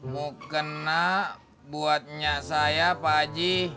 mau kena buatnya saya pak haji